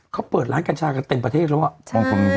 เขาเปิดร้านกัญชากันเต็มประเทศแล้วอะ